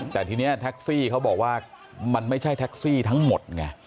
แต่ทีนี้แท็กซี่เขาบอกว่ามันไม่ใช่แท็กซี่ทั้งหมดไง